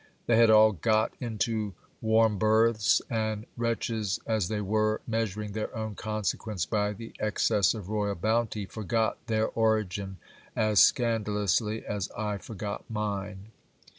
They had all got into ■ warm berths ; and, wretches as they were, measuring their own consequence by ! the excess of royal bounty, forgot their origin as scandalously as I forgot mine.